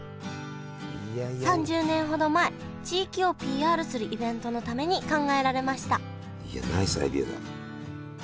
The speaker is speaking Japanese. ３０年ほど前地域をＰＲするイベントのために考えられましたいやナイスアイデアだ。